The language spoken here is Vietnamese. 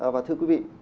và thưa quý vị